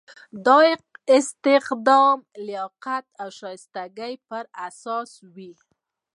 دا استخدام د لیاقت او شایستګۍ په اساس وي.